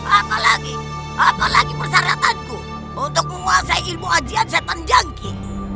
apalagi apalagi persyaratanku untuk menguasai ilmu hajian setan jangki